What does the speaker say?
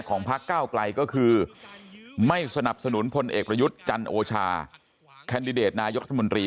พักเก้าไกลก็คือไม่สนับสนุนพลเอกประยุทธ์จันโอชาแคนดิเดตนายกรัฐมนตรี